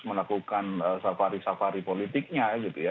melakukan safari safari politiknya